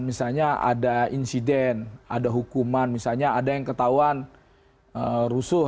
misalnya ada insiden ada hukuman misalnya ada yang ketahuan rusuh